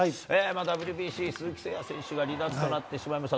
ＷＢＣ、鈴木誠也選手が離脱となってしまいました。